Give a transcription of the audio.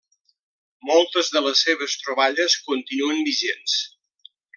Moltes de les seves troballes continuen vigents.